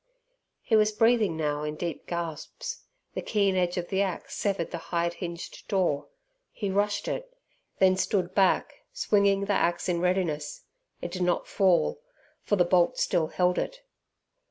He was breathing now in deep gasps. The keen edge of the axe severed the hide hinged door. He rushed it; then stood back swinging the axe in readiness. It did not fall, for the bolt still held it.